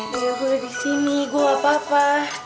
ya udah gue disini gue gapapa